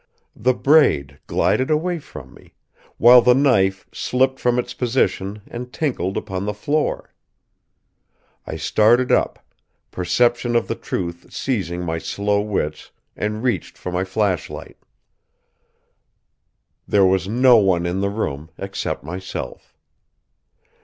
The braid glided away from me, while the knife slipped from its position and tinkled upon the floor. I started up, perception of the truth seizing my slow wits, and reached for my flashlight. There was no one in the room except myself.